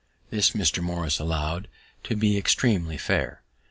This Mr. Morris allow'd to be extreamly fair.